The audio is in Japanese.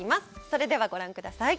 それでは、ご覧ください。